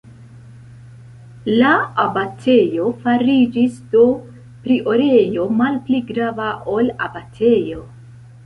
La abatejo fariĝis do priorejo, malpli grava ol abatejo.